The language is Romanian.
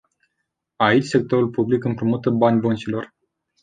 Aici sectorul public împrumută bani băncilor.